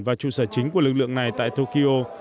và trụ sở chính của lực lượng này tại tokyo